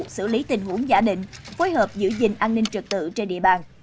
xử lý tình huống giả định phối hợp giữ gìn an ninh trực tự trên địa bàn